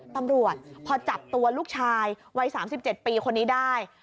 ตำรวจพอจับตัวลูกชายวัย๓๗ปีคนนี้ได้